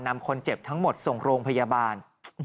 นำคนเจ็บทั้งหมดส่งโรงพยาบาล